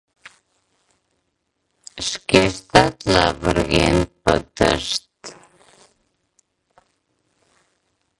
Шкештат лавырген пытышт.